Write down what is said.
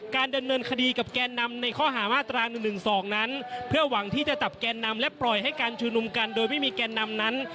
การดำเนินคดีกับแกนนำในข้อหามาตรา๑๑๒นั้นเพื่อหวังที่จะจับแกนนำและปล่อยให้การชุมนุมกันโดยไม่มีแกนนำนั้น